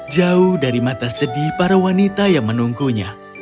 jauh dari mata sedih para wanita yang menunggunya